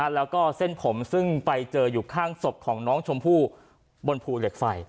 แล้วก็เส้นผมซึ่งไปเจออยู่ข้างศพของน้องชมพู่บนภูเหล็กไฟ